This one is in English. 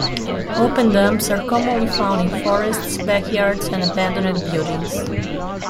Open dumps are commonly found in forests, backyards and abandoned buildings.